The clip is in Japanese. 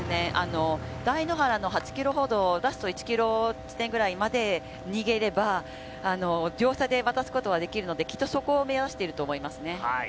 台原の８ｋｍほど、ラスト１キロほど地点まで逃げれば秒差で渡すことができるので、きっとそこを目指していると思いますね。